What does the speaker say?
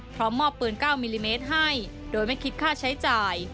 พร้อมมอบปืน๙มิลลิเมตรให้โดยไม่คิดค่าใช้จ่าย